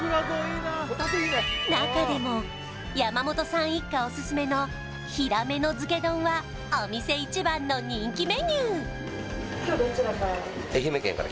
中でも山本さん一家オススメのヒラメの漬け丼はお店一番の人気メニュー